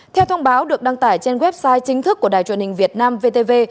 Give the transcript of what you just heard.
theo thông báo được đăng tải trên website chính thức của đài truyền hình việt nam vtv